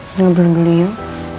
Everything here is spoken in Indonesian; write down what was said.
jangan berundur dulu yuk